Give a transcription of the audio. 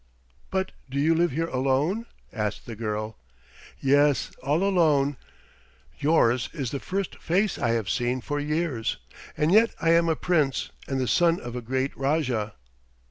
"But do you live here alone?" asked the girl. "Yes, all alone. Yours is the first face I have seen for years, and yet I am a Prince, and the son of a great Rajah."